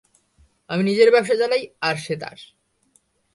আমি নিজের ব্যবসা চালাই আর সে তার।